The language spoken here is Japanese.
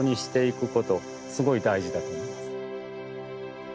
すごい大事だと思います。